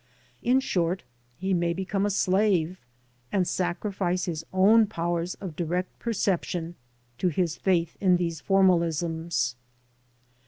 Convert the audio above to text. In short, he may become a slave, and sacrifice his own powers of direct perception to his faith in these formalisms.